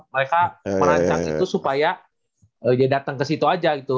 mereka merancang itu supaya dia datang ke situ aja gitu